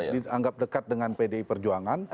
dianggap dekat dengan pdi perjuangan